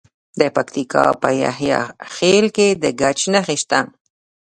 د پکتیکا په یحیی خیل کې د ګچ نښې شته.